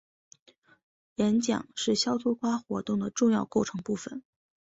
演讲是肖托夸活动的重要构成部分。